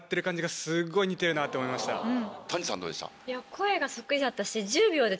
声そっくりだったし。